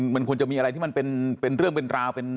มันควรจะมีอะไรที่มันเป็นเรื่องเป็นราวเป็น